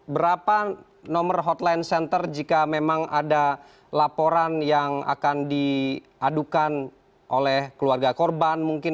berapa nomor hotline center jika memang ada laporan yang akan diadukan oleh keluarga korban mungkin